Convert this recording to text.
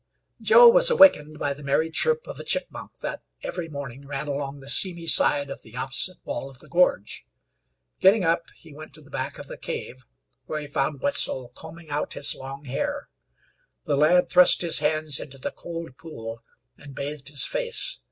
Joe was awakened by the merry chirp of a chipmunk that every morning ran along the seamy side of the opposite wall of the gorge. Getting up, he went to the back of the cave, where he found Wetzel combing out his long hair. The lad thrust his hands into the cold pool, and bathed his face.